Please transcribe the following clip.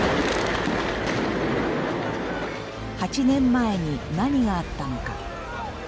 ８年前に何があったのか。